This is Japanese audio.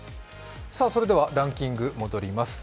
それではランキング、戻ります。